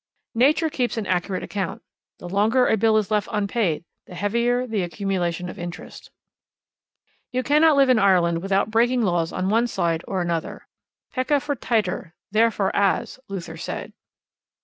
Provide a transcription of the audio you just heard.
Nature keeps an accurate account. ... The longer a bill is left unpaid, the heavier the accumulation of interest. You cannot live in Ireland without breaking laws on one side or another. Pecca fortiter, therefore, as ... Luther said.